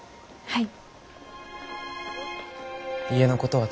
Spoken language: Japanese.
はい。